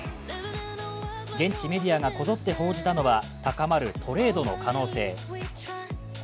現地メディアがこぞって報じたのは高まるトレードの可能性。